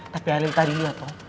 tapi alih tadi lihat toh